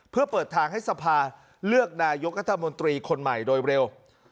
เพื่อเปิดทางให้สภาเลือกนายกรัฐมนตรีคนใหม่โดยเร็ว